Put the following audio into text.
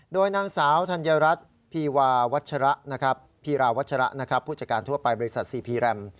โดยนางสาวทันเยอรัฐพีราวัชระผู้จัดการทั่วไปบริษัทสีพีแรม